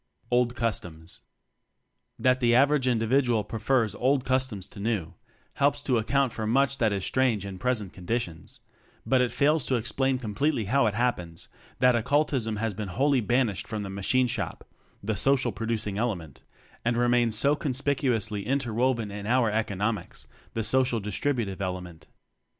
Old Customs. That the average individual prefers old customs to new, helps to account for much that is strange in present conditions; but it fails to explain completely how it happens _ that occultism has been wholly banished from the Machine Shop the Social Producing Element and remains so conspicuously interwoven in oui "Economics" the Social Distributive Element.